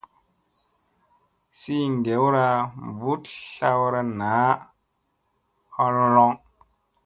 Sii ŋgewra mbuɗ tlawra naa a holhon.